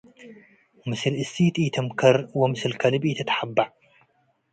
ምስል እሲት ኢትምከር ወምስል ከልብ ኢትትሐበዕ።